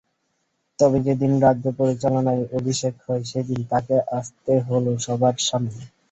তবে যেদিন রাজ্য পরিচালনায় অভিষেক হয়, সেদিন তাকে আসতে হলো সবার সামনে।